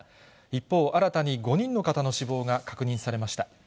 一方、新たに５人の方の死亡が確認されました。